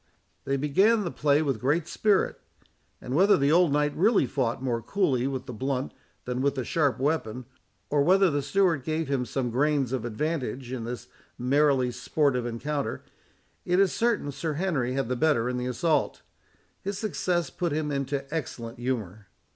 They began the play with great spirit; and whether the old knight really fought more coolly with the blunt than with the sharp weapon, or whether the steward gave him some grains of advantage in this merely sportive encounter, it is certain Sir Henry had the better in the assault. His success put him into excellent humour.